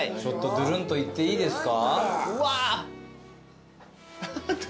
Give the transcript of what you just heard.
ドゥルンといっていいですか？